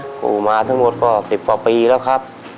ก็กู้มาทั้งหมดก็สิบหวัดปีแล้วครับ